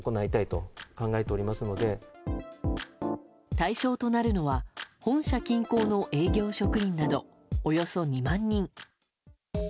対象となるのは本社近郊の営業職員などおよそ２万人。